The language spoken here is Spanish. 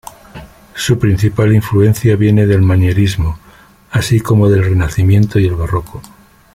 Su principal influencia viene del Manierismo, así como del Renacimiento y el Barroco.